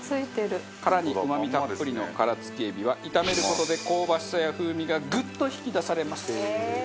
バカリズム：殻にうまみたっぷりの殻付きえびは炒める事で、香ばしさや風味がグッと引き出されます。